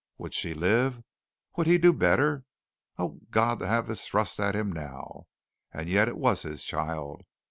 Would she live? Would he do better? Oh, God, to have this thrust at him now, and yet it was his child.